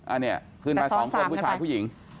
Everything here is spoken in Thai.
อันนี้ขึ้นมาสองคนผู้ชายผู้หญิง